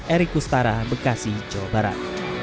erik kustara bekasi jawa barat